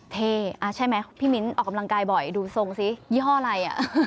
เท่ใช่ไหมพี่มิ้นออกกำลังกายบ่อยดูทรงสิยี่ห้ออะไร